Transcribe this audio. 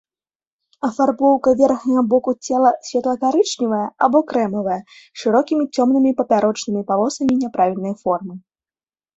Афарбоўка верхняга боку цела светла-карычневая або крэмавая з шырокімі цёмнымі папярочнымі палосамі няправільнай формы.